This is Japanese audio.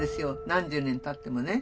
何十年たってもね。